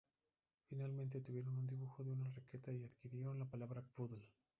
Finalmente, tuvieron un dibujo de una raqueta y adquirieron la palabra paddle.